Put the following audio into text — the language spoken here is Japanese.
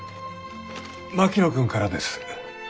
槙野君からです。